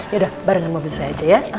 yaudah barengan mobil saya aja ya